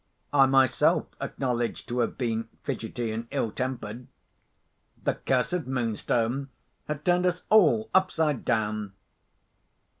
I myself acknowledge to have been fidgety and ill tempered. The cursed Moonstone had turned us all upside down.